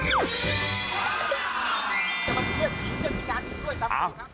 เลยนะคะ